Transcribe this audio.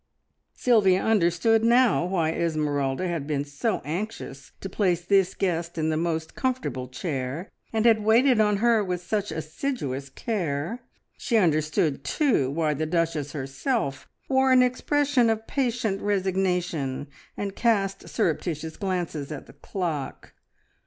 Sylvia understood now why Esmeralda had been so anxious to place this guest in the most comfortable chair, and had waited on her with such assiduous care; she understood, too, why the Duchess herself wore an expression of patient resignation, and cast surreptitious glances at the clock.